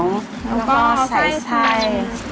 แล้วก็ใส่ไส้